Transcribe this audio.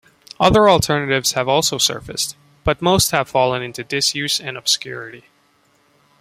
Other alternatives have also surfaced, but most have fallen into disuse and obscurity.